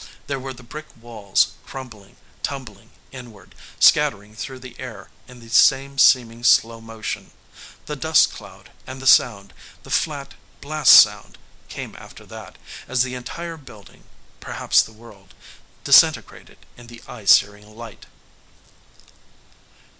There were the brick walls crumbling, tumbling inward, scattering through the air in the same seeming slow motion. The dust cloud and the sound, the flat blast sound, came after that, as the entire building perhaps the world disintegrated in the eye searing light....